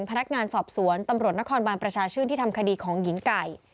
พนักงานสอบสวนตำรวจนครบานประชาชื่นที่ทำคดีของหญิงไก่